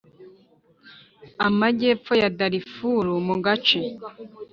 Amajyefo ya Darifur mu gace.